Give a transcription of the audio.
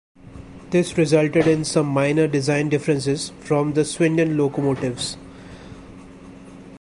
This resulted in some minor design differences from the Swindon locomotives.